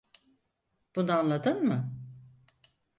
Bunu anladın mı?